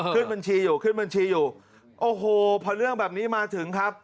ขึ้นบัญชีอยู่ขึ้นบัญชีอยู่โอ้โหพอเรื่องแบบนี้มาถึงครับ